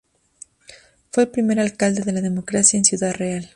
Fue el primer alcalde de la democracia en Ciudad Real.